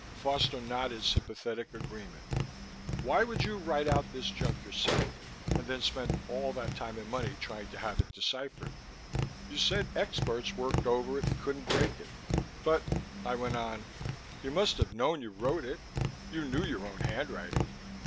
Foster nodded sympathetic agreement. "Why would you write out this junk yourself, and then spend all that time and money trying to have it deciphered? You said experts worked over it and couldn't break it. But," I went on, "you must have known you wrote it; you knew your own handwriting.